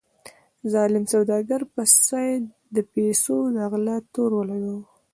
ظالم سوداګر په سید د پیسو د غلا تور ولګاوه.